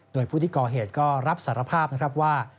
โดยผู้ที่ก่อเหตุก็รับสารภาพนะครับว่า